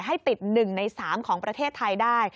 ให้ติดหนึ่งในสามของประเทศไทยได้